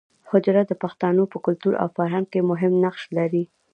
حجره د پښتانو په کلتور او فرهنګ کې مهم نقش لري